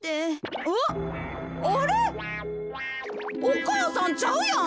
お母さんちゃうやん。